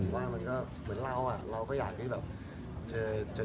ผมว่ามันก็เหมือนเราอะ